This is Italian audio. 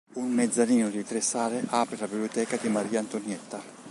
Un mezzanino di tre sale apre la biblioteca di Maria Antonietta.